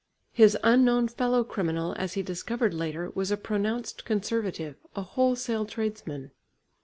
His unknown fellow criminal, as he discovered later, was a pronounced conservative, a wholesale tradesman.